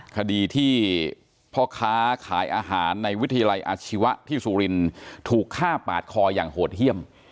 คดีที่พ่อค้าขายอาหารในวิทยาลัยอาชีวะที่สุรินถูกฆ่าปาดคออย่างโหดเยี่ยม